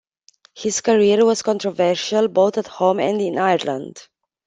His career was controversial both at home and in Ireland.